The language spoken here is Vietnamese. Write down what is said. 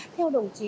theo đồng chí